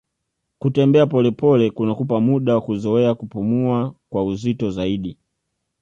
kutembea polepole kunakupa muda kuzoea kupumua kwa uzito zaidi